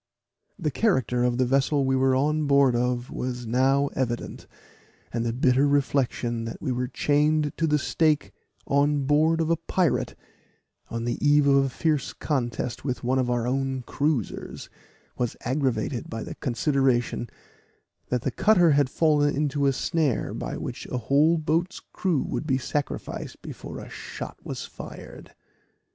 The character of the vessel we were on board of was now evident; and the bitter reflection that we were chained to the stake on board of a pirate, on the eve of a fierce contest with one of our own cruisers, was aggravated by the consideration, that the cutter had fallen into a snare by which a whole boat's crew would be sacrificed before a shot was fired.